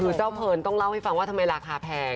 คือเจ้าเพลินต้องเล่าให้ฟังว่าทำไมราคาแพง